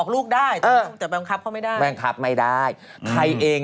แล้วแม่แล้วใครจะทำงาน